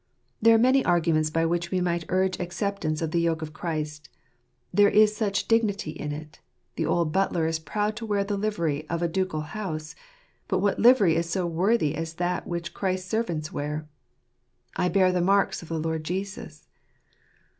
There are many arguments by which we might urge acceptance of the yoke of Christ. There is such dignity in it : the old butler is proud to wear the livery of a ducal house ; but what livery is so worthy as that which Christ's servants wear ? "I bear the marks of the Lord Jesus."